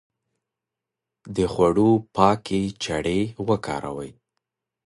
د خوړو پاکې چړې وکاروئ.